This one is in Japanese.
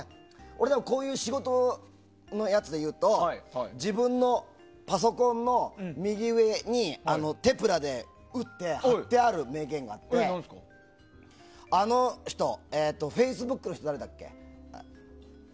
俺はこういう仕事のやつで言うと自分のパソコンの右上にテプラで打って貼ってある名言があってあの人、フェイスブックの人誰だっけ？